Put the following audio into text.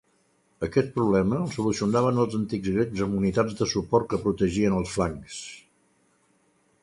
Aquest problema el solucionaven els antics grecs amb unitats de suport que protegien els flancs.